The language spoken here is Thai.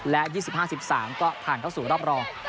๒๗๒๕๒๕๑๖และ๒๕๑๓ก็ผ่านเข้าสู่รอบรอง